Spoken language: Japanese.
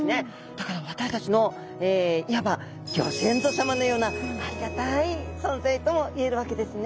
だから私たちのいわばギョ先祖さまのようなありがたい存在ともいえるわけですね。